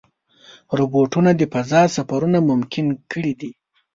روبوټونه د فضا سفرونه ممکن کړي دي.